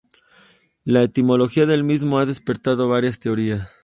La etimología del mismo ha despertado varias teorías.